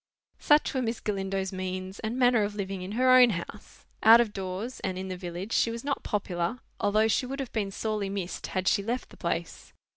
Such were Miss Galindo's means and manner of living in her own house. Out of doors, and in the village, she was not popular, although she would have been sorely missed had she left the place.